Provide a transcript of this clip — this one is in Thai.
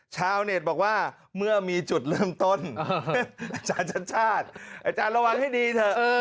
ชาวเน็ตบอกว่าเมื่อมีจุดเริ่มต้นอาจารย์ชัดชาติอาจารย์ระวังให้ดีเถอะ